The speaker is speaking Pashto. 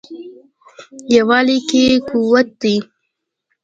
یووالي کې قوت دی.